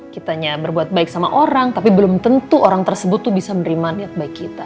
kitanya berbuat baik sama orang tapi belum tentu orang tersebut tuh bisa menerima niat baik kita